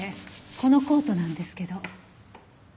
このコートなんですけど。